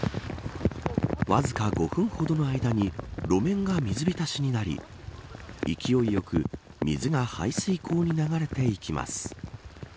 わずか５分ほどの間に路面が水浸しになり勢いよく水が排水口に流れていきます。